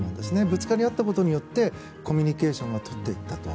ぶつかり合ったことによってコミュニケーションを取れていったと。